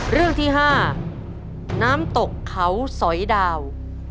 เรื่องที่๕น้ำตกเขาสอยดาว